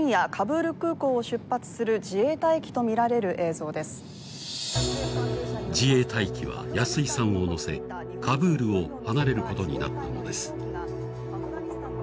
こうして自衛隊機は安井さんを乗せカブールを離れることになったのです。